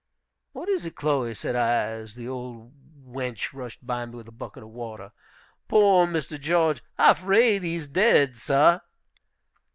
"What is it, Chloe?" said I, as the old wench rushed by me with a bucket of water. "Poor Mr. George, I 'fraid he's dead, sah!"